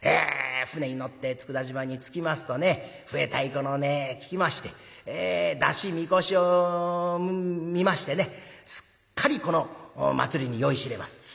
舟に乗って佃島に着きますとね笛太鼓の音聞きまして山車神輿を見ましてねすっかりこの祭りに酔いしれます。